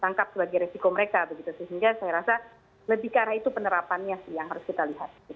sehingga saya rasa lebih ke arah itu penerapannya sih yang harus kita lihat